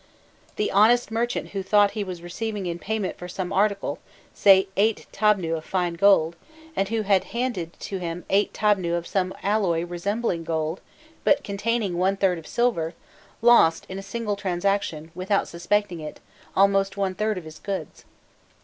The honest merchant who thought he was receiving in payment for some article, say eight tabnû of fine gold, and who had handed to him eight tabnû of some alloy resembling gold, but containing one third of silver, lost in a single transaction, without suspecting it, almost one third of his goods.